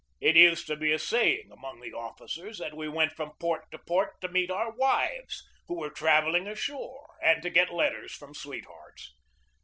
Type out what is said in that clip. It used to be a saying among the BUILDING THE NEW NAVY 159 officers that we went from port to port to meet our wives, who were travelling ashore, and to get letters from sweethearts.